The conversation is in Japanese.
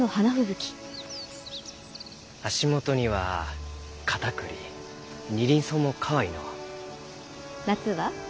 足元にはカタクリニリンソウもかわいいのう。夏は？